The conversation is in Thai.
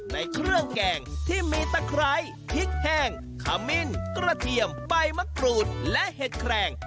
ในเครื่องแกงที่มีตะไคร้พริกแห้งขมิ้นกระเทียมใบมะกรูดและเห็ดแคลง